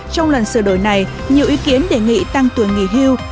trong lần sửa đổi này nhiều ý kiến đề nghị tăng tuổi nghỉ hưu